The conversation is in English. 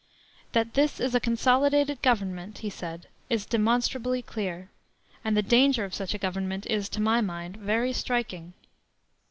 "That this is a consolidated government," he said, "is demonstrably clear; and the danger of such a government is, to my mind, very striking."